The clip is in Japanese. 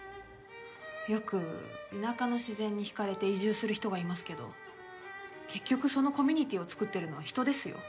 よく田舎の自然に引かれて移住する人がいますけど結局そのコミュニティーを作ってるのは人ですよ。